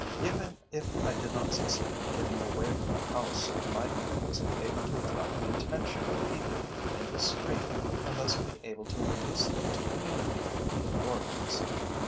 Even if I did not succeed in getting away from the house, I might at least be able to attract the attention of people in the street, and thus be able to induce them to communicate with the Authorities.